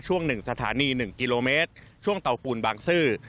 ๑สถานี๑กิโลเมตรช่วงเตาปูนบางซื่อ